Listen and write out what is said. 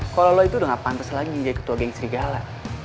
kalau lo itu udah gak pantas lagi jadi ketua geng serigala